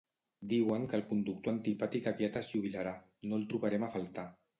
Diuen que el conductor antipàtic aviat es jubilarà, no el trobarem a faltar